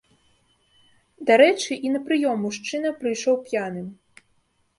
Дарэчы, і на прыём мужчына прыйшоў п'яным.